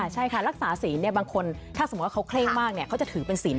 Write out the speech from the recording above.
ใช่ค่ะรักษาศีลบางคนถ้าสมมุติว่าเขาเคร่งมากเขาจะถือเป็นศีล